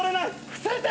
伏せて！